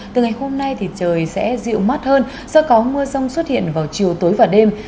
từ ngày hôm nay thì trời sẽ dịu mát hơn do có mưa rông xuất hiện vào chiều tối và đêm